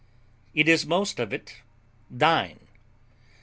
It is most of it thine."